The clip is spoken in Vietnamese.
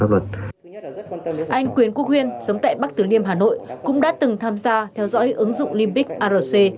anh quyền quốc huyên sống tại bắc tử liêm hà nội cũng đã từng tham gia theo dõi ứng dụng limbiq arc